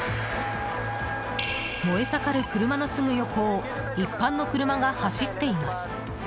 燃えさかる車のすぐ横を一般の車が走っています。